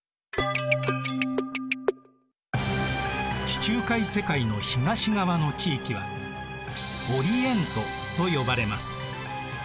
地中海世界の東側の地域はオリエントと呼ばれます。